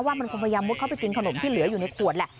ว่ามันคงพยายามมุดเข้าไปกินขนมที่เหลืออยู่ในขวดแหละ